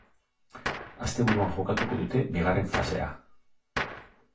Asteburuan jokatuko dute bigarren fasea.